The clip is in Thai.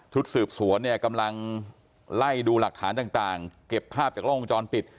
สืบสวนเนี่ยกำลังไล่ดูหลักฐานต่างเก็บภาพจากกล้องวงจรปิด